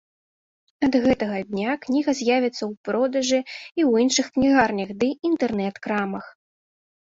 Ад гэтага дня кніга з'явіцца ў продажы і ў іншых кнігарнях ды інтэрнэт-крамах.